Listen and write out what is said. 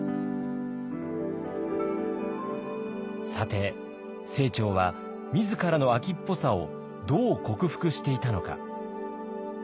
さて清張は自らの飽きっぽさをどう克服していたのか。